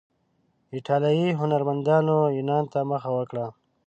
ایټالیایي هنرمندانو یونان ته مخه وکړه.